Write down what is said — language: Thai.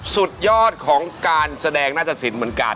สุดยอดของการแสดงหน้าตะสินเหมือนกัน